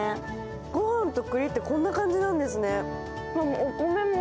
ご飯とくりってこんな感じなんですね。